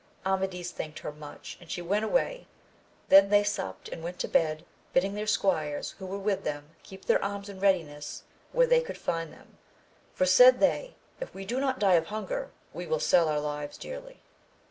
Amadis thanked her much, and she went away ; they then supped and went to bed, bidding their squires who were with them keep their arms in readiness where they could find them, for said they if we do not die of hunger we will sell our lives dearly.